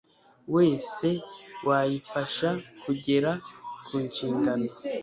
wese wayifasha kugera ku nshingano